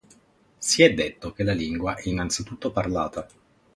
Si è detto che la lingua è innanzitutto parlata.